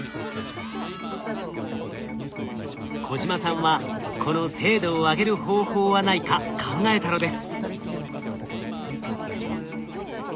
小島さんはこの精度を上げる方法はないか考えたのです。